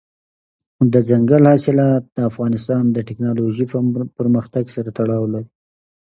دځنګل حاصلات د افغانستان د تکنالوژۍ پرمختګ سره تړاو لري.